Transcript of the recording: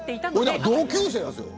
僕、同級生なんですよ